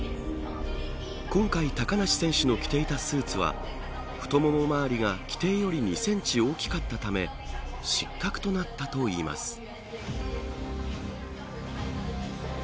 今回、高梨選手の着ていたスーツは、太もも回りが規程より２センチ大きかったため失格となったといいます。